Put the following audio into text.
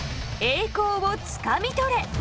栄光をつかみとれ！